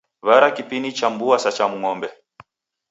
Warwa kipini cha mbuya sa cha ng'ombe